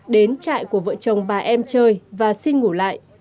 đến trại của vợ chồng bà em chơi và xin ngủ lại